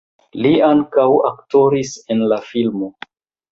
Li ankaŭ aktoris en la filmo.